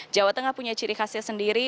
jawa tengah punya ciri khasnya sendiri